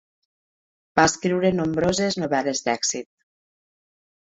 Va escriure nombroses novel·les d'èxit.